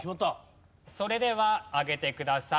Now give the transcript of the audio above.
それでは上げてください。